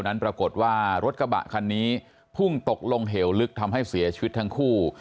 นั้นปรากฏว่ารถกระบะคันนี้พุ่งตกลงเหวลึกทำให้เสียชีวิตทั้งคู่